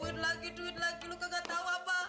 duit lagi duit lagi lo gak tahu apa